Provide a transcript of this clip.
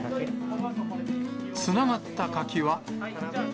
つながった柿は。